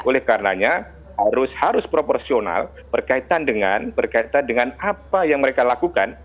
oleh karenanya harus proporsional berkaitan dengan berkaitan dengan apa yang mereka lakukan